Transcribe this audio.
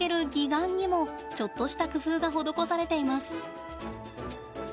岩にもちょっとした工夫が施されています。